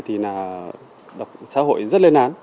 thì là xã hội rất lên án